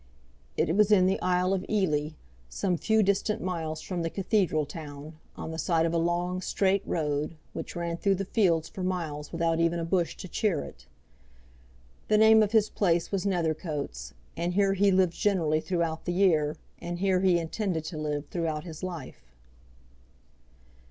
It was in the Isle of Ely, some few miles distant from the Cathedral town, on the side of a long straight road, which ran through the fields for miles without even a bush to cheer it. The name of his place was Nethercoats, and here he lived generally throughout the year, and here he intended to live throughout his life.